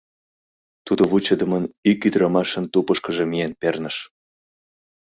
Тудо вучыдымын ик ӱдырамашын тупышкыжо миен перныш.